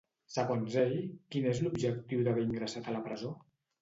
Segons ell, quin és l'objectiu d'haver ingressat a la presó?